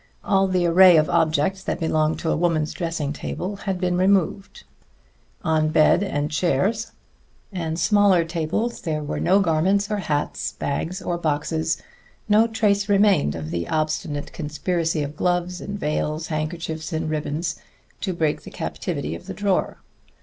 All the array of objects that belong to a woman's dressing table had been removed; on bed and chairs and smaller tables there were no garments or hats, bags or boxes; no trace remained of the obstinate conspiracy of gloves and veils, handkerchiefs and ribbons, to break the captivity of the drawer.